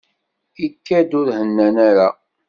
Ikad-d ur hennan ara.